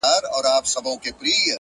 جانه راځه د بدن وينه مو په مينه پرېولو ـ